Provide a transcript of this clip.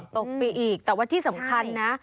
ตกเพียงอีกแต่ที่สำคัญนะ